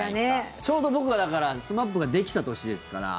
ちょうど僕が、だからＳＭＡＰができた年ですから。